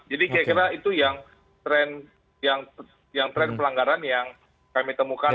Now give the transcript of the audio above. jadi kayaknya itu yang tren pelanggaran yang kami temukan